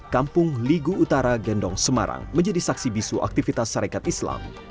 kampung ligu utara gendong semarang menjadi saksi bisu aktivitas sarekat islam